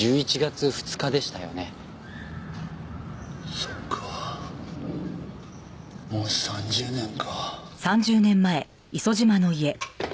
そうかもう３０年か。